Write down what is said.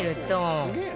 「すげえな！」